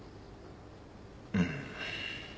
うん。